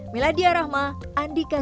meladia rahma andika serti